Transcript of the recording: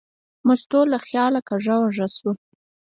مستو له خیاله کږه وږه شوه.